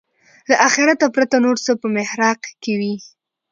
له آخرته پرته نور څه په محراق کې وي.